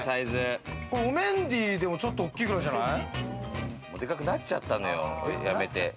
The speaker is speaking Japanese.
メンディーでも、ちょっと大きいくらいじゃない？